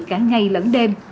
cả ngày lẫn đêm